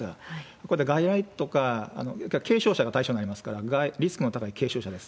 こういった外来とか、軽症者が対象になりますから、リスクの高い軽症者です。